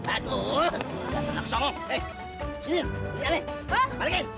aduh nak songong eh sini ini aneh balikin